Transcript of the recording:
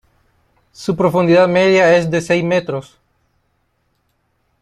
Su profundidad media es de seis metros.